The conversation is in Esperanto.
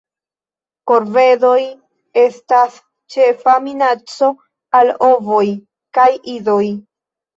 Korvedoj estas ĉefa minaco al ovoj kaj idoj.